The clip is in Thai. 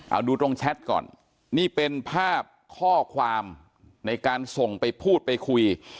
เอาดูตรงแชทก่อนนี่เป็นภาพข้อความในการส่งไปพูดไปคุย